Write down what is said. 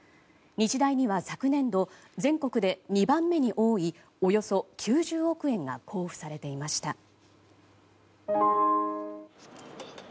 日大には昨年度、全国で２番目に多いおよそ９０億円が交付されていました。